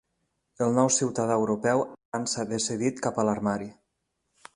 El nou ciutadà europeu avança decidit cap a l'armari.